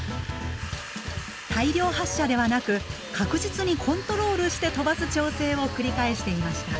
大量発射ではなく確実にコントロールして飛ばす調整を繰り返していました。